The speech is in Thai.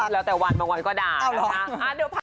แล้วแต่วันบางวันก็ด่านะคะ